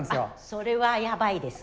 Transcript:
それはやばいです。